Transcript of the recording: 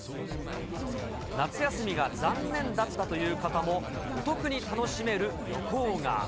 夏休みが残念だったという方もお得に楽しめる旅行が。